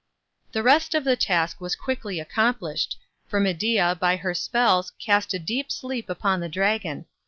The rest of the task was quickly accomplished, for Medea by her spells cast a deep sleep upon the dragon.